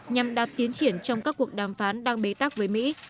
nhằm đạt tiến triển trong các cuộc đàm phán đang bế tắc với mỹ